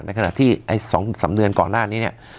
ขณะที่ไอ้๒๓เดือนก่อนหน้านี้เนี่ย